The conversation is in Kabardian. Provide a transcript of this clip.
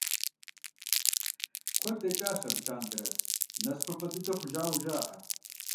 Куэд дэкӏащ абы лъандэрэ, насыпыфӏэ дыдэ хъужауэ жаӏэ.